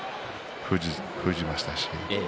封じましたし。